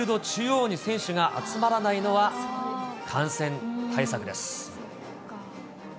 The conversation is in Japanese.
中央に選手が集まらないのは感染対策です。